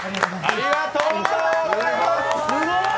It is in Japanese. ありがとうございます！